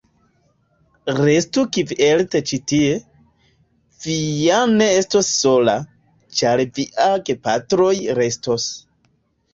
Restu kviete ĉi tie, vi ja ne estos sola, ĉar viaj gepatroj restos.